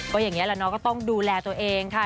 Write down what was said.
ก็อย่างนี้แหละเนาะก็ต้องดูแลตัวเองค่ะ